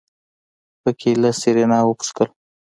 په کې له سېرېنا وپوښتل.